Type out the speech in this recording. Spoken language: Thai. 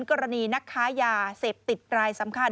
กรณีนักค้ายาเสพติดรายสำคัญ